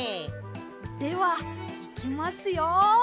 ではいきますよ。